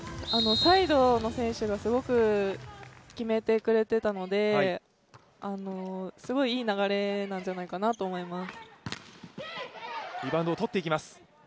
サイドの選手がすごく決めてくれていたのですごいいい流れなんじゃないかなと思います。